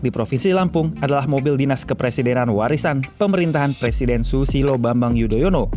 di provinsi lampung adalah mobil dinas kepresidenan warisan pemerintahan presiden susilo bambang yudhoyono